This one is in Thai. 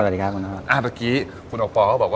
สวัสดีครับคุณน็อต